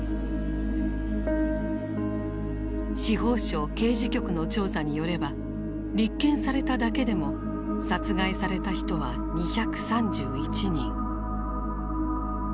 司法省刑事局の調査によれば立件されただけでも殺害された人は２３１人。